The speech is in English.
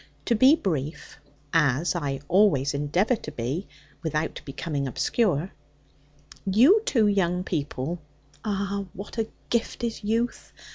To be brief as I always endeavour to be, without becoming obscure you two young people (ah, what a gift is youth!